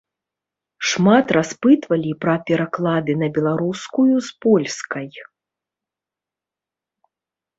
Шмат распытвалі пра пераклады на беларускую з польскай.